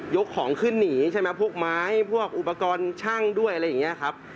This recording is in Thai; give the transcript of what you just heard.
ของขึ้นหนีใช่ไหมพวกไม้พวกอุปกรณ์ช่างด้วยอะไรอย่างนี้ครับ